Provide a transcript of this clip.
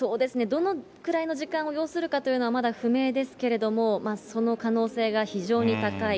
どのくらいの時間を要するかというのはまだ不明ですけれども、その可能性が非常に高い。